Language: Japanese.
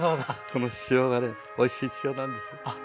この塩がねおいしい塩なんです。